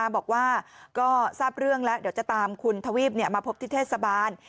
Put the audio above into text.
บอกว่าก็ทราบเรื่องแล้วเดี๋ยวจะตามคุณทวีปมาพบที่เทศบาล